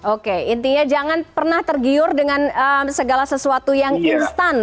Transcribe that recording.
oke intinya jangan pernah tergiur dengan segala sesuatu yang instan